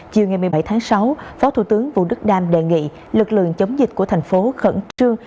chiều ngày một mươi bảy tháng sáu phó thủ tướng vũ đức đam đề nghị lực lượng chống dịch của thành phố khẩn trương